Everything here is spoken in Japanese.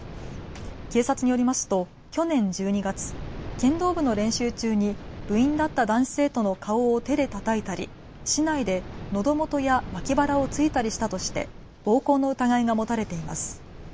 警察によりますと去年１２月、剣道部の練習中に部員だった男子生徒の顔を手でたたいたり竹刀でのど元や脇腹を突いたりしたとして暴行の疑いが持たれています。